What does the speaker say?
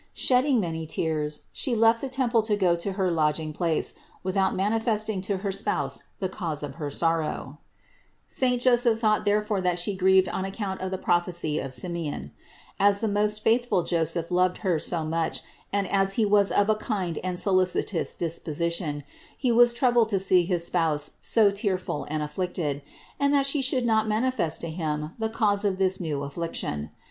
Shedding many tears, She left the temple to go to her lodging place, without manifesting to her spouse the cause of her sorrow. Saint THE INCARNATION 521 Joseph therefore thought that She grieved on account of the prophecy of Simeon. As the most faithful Joseph loved Her so much, and as he was of a kind and solicitous disposition, he was troubled to see his Spouse so tearful and afflicted, and that She sho'uld not manifest to him the cause of this new affliction.